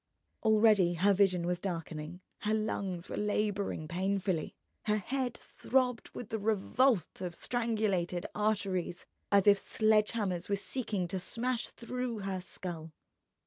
Already her vision was darkening, her lungs were labouring painfully, her head throbbed with the revolt of strangulated arteries as if sledge hammers were seeking to smash through her skull.